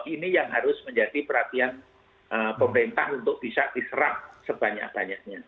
ini yang harus menjadi perhatian pemerintah untuk bisa diserap sebanyak banyaknya